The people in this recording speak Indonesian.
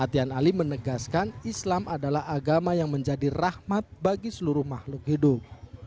atian alim menegaskan islam adalah agama yang menjadi rahmat bagi seluruh makhluk hidup